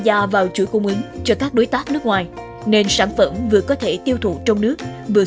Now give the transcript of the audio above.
gia vào chuỗi cung ứng cho các đối tác nước ngoài nên sản phẩm vừa có thể tiêu thụ trong nước vừa